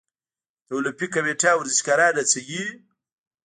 د المپیک کمیټه ورزشکاران هڅوي؟